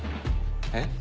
えっ？